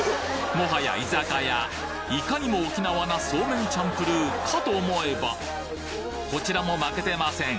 もはや居酒屋いかにも沖縄なソーメンチャンプルーかと思えばこちらも負けてません。